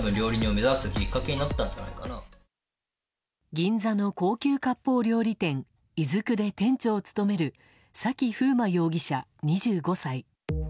銀座の高級割烹料理店いづくで店長を務める崎楓真容疑者、２５歳。